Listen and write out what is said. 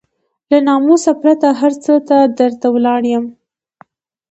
له ناموسه پرته هر څه ته درته ولاړ يم.